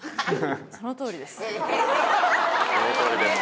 そのとおりです